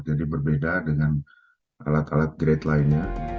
jadi berbeda dengan alat alat grade lainnya